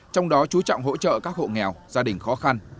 trong đó chú trọng hỗ trợ các hộ nghèo gia đình khó khăn